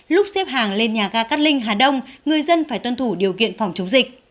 lúc xếp hàng lên nhà ga cát linh hà đông người dân phải tuân thủ điều kiện phòng chống dịch